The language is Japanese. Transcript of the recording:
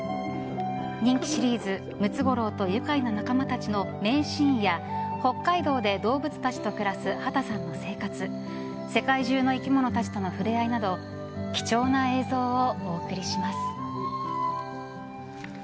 人気シリーズ「ムツゴロウとゆかいな仲間たち」の名シーンや北海道で動物たちと暮らす畑さんの生活世界中の生き物たちとの触れ合いなど貴重な映像をお送りします。